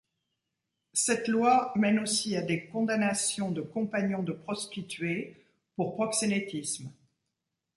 Cette loi mène aussi à des condamnations de compagnons de prostituées pour proxénétisme.